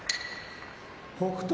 北勝